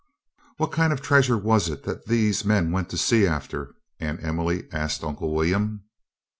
"What kind of treasure was it that these men went to sea after?" Aunt Emily asked Uncle William.